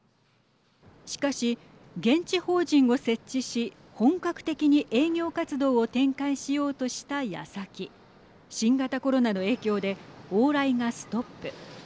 しかし、現地法人を設置し本格的に営業活動を展開しようとしたやさき新型コロナの影響で往来がストップ。